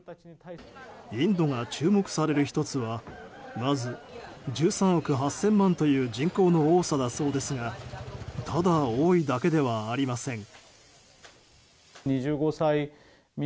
インドが注目される１つはまず１３億８０００万という人口の多さだそうですがただ多いだけではありません。